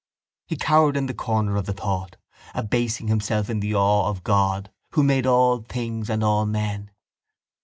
He cowered in the shadow of the thought, abasing himself in the awe of God Who had made all things and all men.